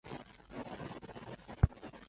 卒谥文敏。